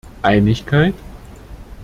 Einigkeit?